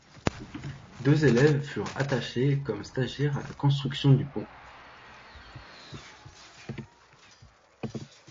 Deux élèves furent attachés comme stagiaires à la construction du pont.